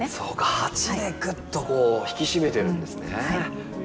鉢でぐっとこう引き締めてるんですね。